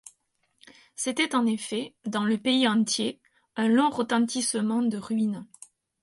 C’était en effet, dans le pays entier, un long retentissement de ruines.